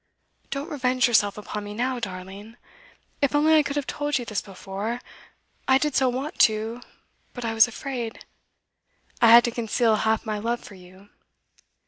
Don't revenge yourself upon me now, darling! If only I could have told you this before I did so want to, but I was afraid. I had to conceal half my love for you.